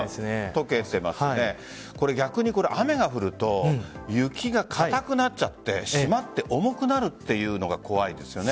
逆に雨が降ると雪が硬くなっちゃってしまって重くなるというのが怖いですよね。